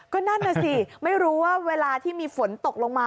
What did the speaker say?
ก็นั่นน่ะสิไม่รู้ว่าเวลาที่มีฝนตกลงมา